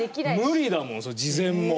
無理だもんそれ事前も。